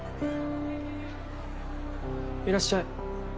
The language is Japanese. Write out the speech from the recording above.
いらっしゃい。